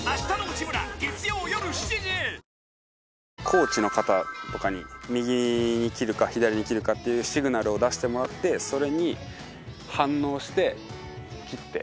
コーチの方とかに右にきるか左にきるかっていうシグナルを出してもらってそれに反応してきって。